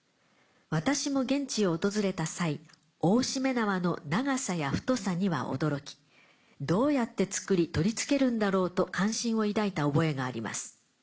私も現地を訪れた際大しめ縄の長さや太さには驚きどうやって作り取り付けるんだろうと関心を抱いた覚えがあります。